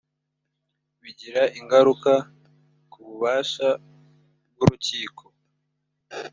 bigira ingaruka ku bubasha bw’urukiko